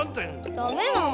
ダメなの？